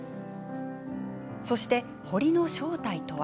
そして、堀の正体とは。